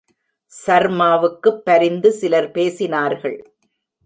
சர்மாவுக்குப் பரிந்து சிலர் பேசினார்கள்.